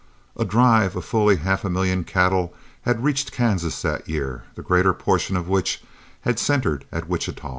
A drive of fully half a million cattle had reached Kansas that year, the greater portion of which had centred at Wichita.